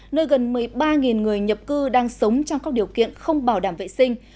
nơi gần một mươi ba người nhập cư đang sống trong các điều kiện không bảo đảm vệ sinh